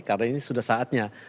karena ini sudah saatnya